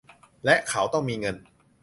และ เขาต้องมีเงิน